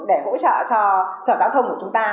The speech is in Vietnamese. để hỗ trợ cho sở giao thông của chúng ta